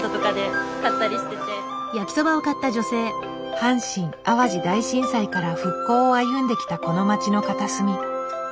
阪神・淡路大震災から復興を歩んできたこの街の片隅。